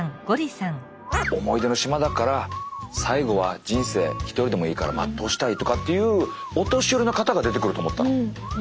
思い出の島だから最後は人生１人でもいいから全うしたいとかっていうお年寄りの方が出てくると思ったの。